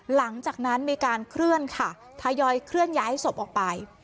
หลังจากนั้นมีการเคลื่อนค่ะทยอยเคลื่อนย้ายศพออกไป